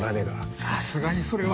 さすがにそれは。